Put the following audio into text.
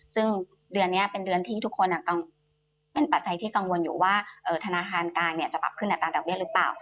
ซึ่งเดือนนี้เป็นเดือนที่ทุกคนเป็นปัจจัยที่กังวลอยู่ว่าธนาคารกลางจะปรับขึ้นอัตราดอกเบี้ยหรือเปล่า